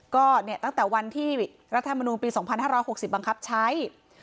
ก็เนี่ยตั้งแต่วันที่รัฐธรรมนูลปี๒๕๖๐บังคับใช้